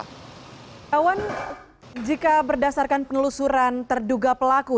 kawan jika berdasarkan penelusuran terduga pelaku